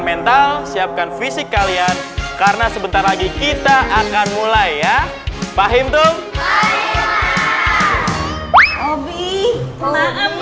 mental siapkan fisik kalian karena sebentar lagi kita akan mulai ah fahim tool